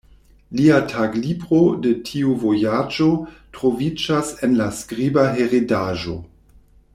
Lia taglibro de tiu vojaĝo troviĝas en la skriba heredaĵo.